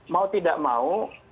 mau tidak mau